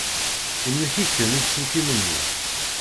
Imlek-iken uselkim-nni.